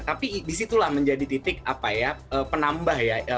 tapi disitulah menjadi titik apa ya penambah ya